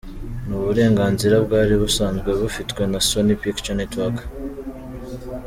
Ni uburenganzira bwari busanzwe bufitwe na Sony Pictures Network.